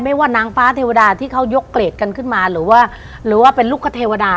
ว่านางฟ้าเทวดาที่เขายกเกรดกันขึ้นมาหรือว่าหรือว่าเป็นลูกคเทวดา